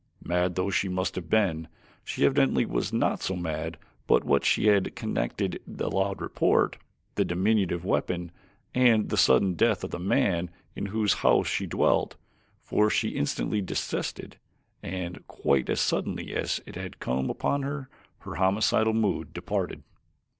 Mad though she must have been, she evidently was not so mad but what she had connected the loud report, the diminutive weapon, and the sudden death of the man in whose house she dwelt, for she instantly desisted and quite as suddenly as it had come upon her, her homicidal mood departed.